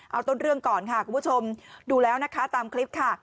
เอาต้นเรื่องก่อนค่ะคุณผู้ชมดูแล้วนะคะตามคลิปค่ะ